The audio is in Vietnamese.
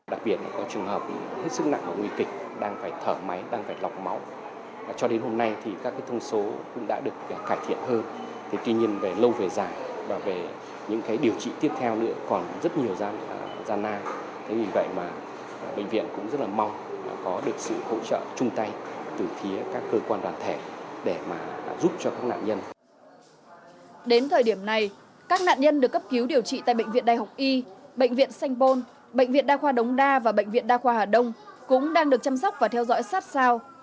đến thời điểm này các nạn nhân được cấp cứu điều trị tại bệnh viện đại học y bệnh viện sanh pôn bệnh viện đa khoa đống đa và bệnh viện đa khoa hà đông cũng đang được chăm sóc và theo dõi sát sao